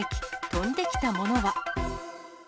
飛んできたものは。